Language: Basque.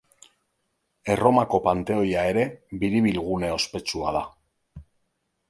Erromako Panteoia ere biribilgune ospetsua da.